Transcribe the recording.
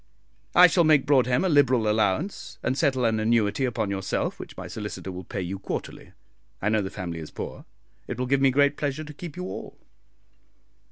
"I shall make Broadhem a liberal allowance, and settle an annuity upon yourself, which my solicitor will pay you quarterly. I know the family is poor; it will give me great pleasure to keep you all."